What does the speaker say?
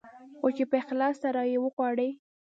خو چې په اخلاص سره يې وغواړې.